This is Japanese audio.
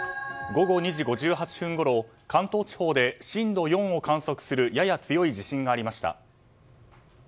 午後２時５８分ごろ関東地方で震度４を観測するやや強い地震がありました。